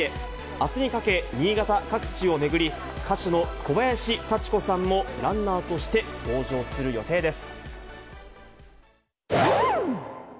あすにかけ、新潟各地を巡り、歌手の小林幸子さんもランナーとして登場する予定です。